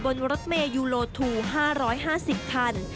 บนรถเมยูโลทู๕๕๐คัน